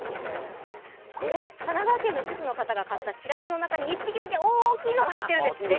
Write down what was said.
これ、神奈川県の主婦の方が買ったしらすの中に１匹だけ大きいのが入っているんです。